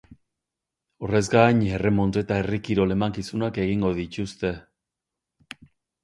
Horrez gain, erremonte eta herri kirol emankizunak egingo dituzte.